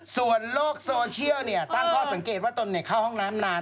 ส่วนโลกโซเชียลตั้งข้อสังเกตว่าตนเข้าห้องน้ำนาน